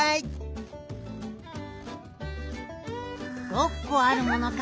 ６こあるものか。